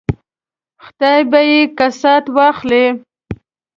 خدای به یې کسات واخلي.